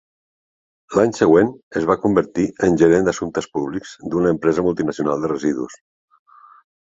L'any següent es va convertir en gerent d'assumptes públics d'una empresa multinacional de residus.